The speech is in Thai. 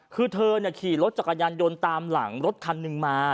คือเธอขี่รถจักรยานยนต์ตามหลังรถคันหนึ่งมา